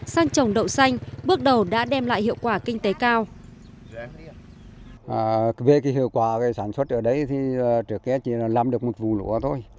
sang trồng đậu xanh bước đầu đã đem lại hiệu quả kinh tế cao